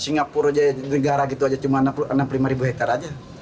singapura jadi negara cuma enam puluh lima hektare saja